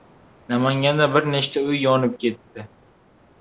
Namanganda bir nechta uy yonib ketdi